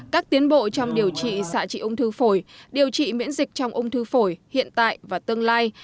các tiến bộ trong điều trị xạ trị ung thư phổi điều trị miễn dịch trong ung thư phổi hiện tại và tương lai